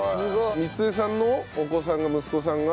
光恵さんのお子さんが息子さんが？